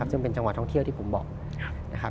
ซึ่งเป็นจังหวัดท่องเที่ยวที่ผมบอกนะครับ